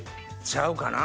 ちゃうかな。